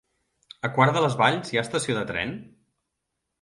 A Quart de les Valls hi ha estació de tren?